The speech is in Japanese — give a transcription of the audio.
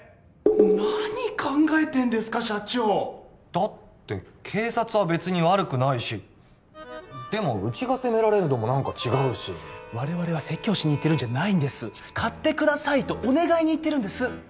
何考えてんですか社長だって警察は別に悪くないしでもウチが責められるのも何か違うし我々は説教しに行ってるんじゃないんです買ってくださいとお願いに行ってるんです